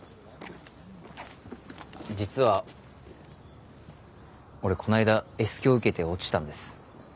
実は俺この間Ｓ響受けて落ちたんです。